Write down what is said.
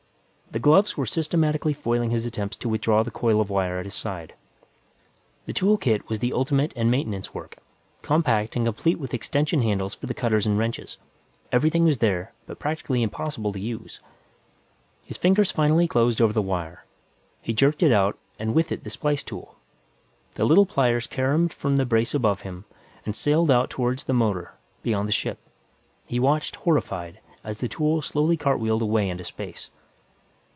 The gloves were systematically foiling his attempts to withdraw the coil of wire at his side. The tool kit was the ultimate in maintenance work, compact and complete with extension handles for the cutters and wrenches. Everything was there, but practically impossible to use. His fingers finally closed over the wire; he jerked it out and with it the splice tool. The little pliers caromed from the brace above him and sailed out toward the motor, beyond the ship. He watched, horrified, as the tool slowly cartwheeled away into space.